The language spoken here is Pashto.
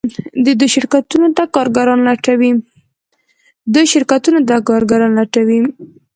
دوی شرکتونو ته کارګران لټوي.